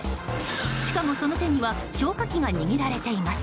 しかも、その手には消火器が握られています。